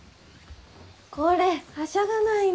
これはしゃがないの。